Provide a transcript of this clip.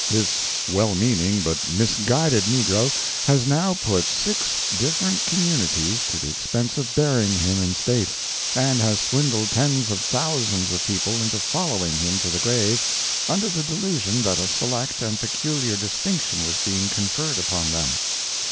This well meaning but misguided negro has now put six different communities to the expense of burying him in state, and has swindled tens of thousands of people into following him to the grave under the delusion that a select and peculiar distinction was being conferred upon them.